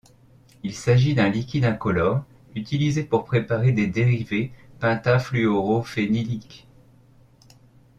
Il s'agit d'un liquide incolore utilisé pour préparer des dérivés pentafluorophényliques.